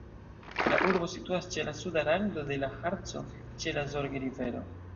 La urbo situas ĉe la suda rando de la Harco, ĉe la Zorge-rivero.